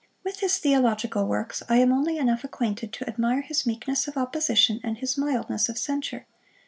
With his theological works I am only enough acquainted to admire his meekness of opposition, and his mildness of censure.